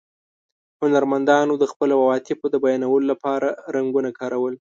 هنرمندانو د خپلو عواطفو د بیانولو له پاره رنګونه کارول.